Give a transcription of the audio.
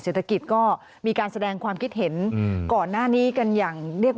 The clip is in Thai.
เศรษฐกิจก็มีการแสดงความคิดเห็นก่อนหน้านี้กันอย่างเรียบ